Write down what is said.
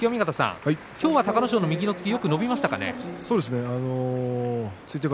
今日は隆の勝の右の突きよく伸びましたか？